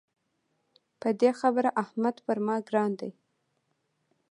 په دې خبره احمد پر ما ګران دی.